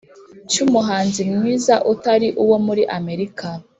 cy’umuhanzi mwiza utari uwo muri Amerika